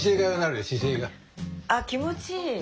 あっ気持ちいい。